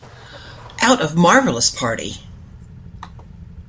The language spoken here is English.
Out of Marvellous Party!